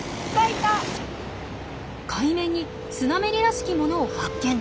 海面にスナメリらしきものを発見！